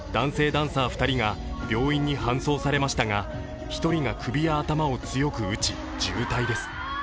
ダンサー２人が病院に搬送されましたが、１人が首や頭を強く打ち、重体です。